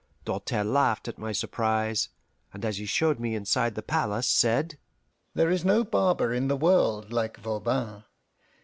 Doltaire laughed at my surprise, and as he showed me inside the palace said: "There is no barber in the world like Voban.